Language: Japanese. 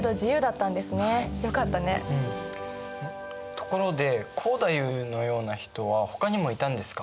ところで光太夫のような人はほかにもいたんですか？